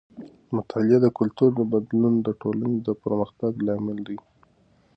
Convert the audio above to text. د مطالعې د کلتور بدلون د ټولنې د پرمختګ لامل دی.